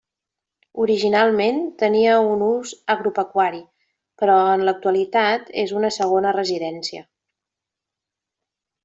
Originalment tenia un ús agropecuari, però en l'actualitat és una segona residència.